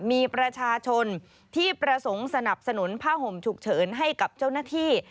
มีประชาชนที่ประสงค์สนับสนุนผ้าห่มฉุกเฉินให้กับเจ้าหน้าที่